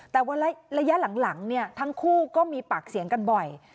แต่ระยะหลังทั้งคู่ก็มีปากเสียงกันบ่อย